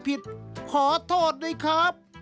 ผิดขอโทษด้วยครับ